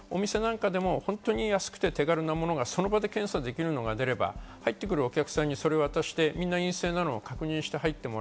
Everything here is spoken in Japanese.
お店なんかでも本当に安くて手軽なものがその場で検査できるものができれば入ってくるお客さんにそれを渡して陰性なのを確認して入ってくる。